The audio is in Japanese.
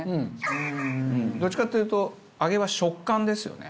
どっちかっていうと揚げは食感ですよね。